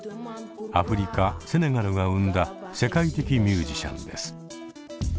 アフリカセネガルが生んだ世界的ミュージシャンです。